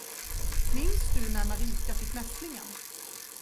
Minns du när Marika fick mässlingen?